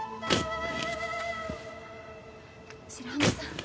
白浜さん